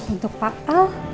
untuk pak al